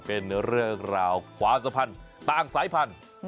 เป็นเรื่องราวความสัมพันธ์ต่างสายพันธุ์